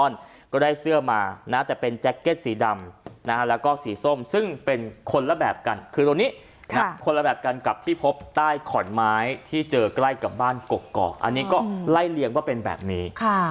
แล้วก็สีส้มซึ่งเป็นคนละแบบกันคือตัวนี้คนละแบบกันกับที่พบใต้ขอนไม้ที่เจอกล้ายกับบ้านเกาะอันนี้ก็ไล่เลี้ยงว่าเป็นแบบนี้